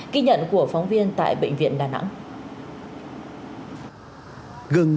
ghi nhận của phóng viên tại bệnh viện đà nẵng